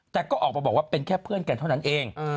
แต่ก็ออกมาบอกว่าเป็นแค่เพื่อนกันเท่านั้นเอง